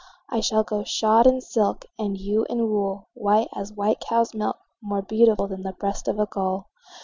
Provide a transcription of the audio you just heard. I shall go shod in silk, And you in wool, White as a white cow's milk, More beautiful Than the breast of a gull.